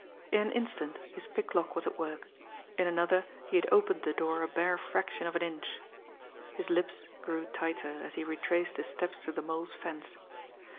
In an instant his picklock was at work; in another he had opened the door a bare fraction of an inch. His lips grew tighter, as he retraced his steps to the Mole's fence.